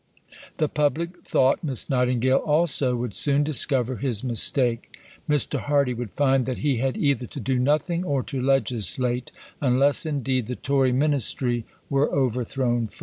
The public, thought Miss Nightingale also, would soon discover his mistake. Mr. Hardy would find that he had either to do nothing, or to legislate; unless indeed the Tory Ministry were overthrown first.